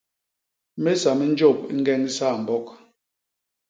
Mésa mi njôp i ñgeñ isambok.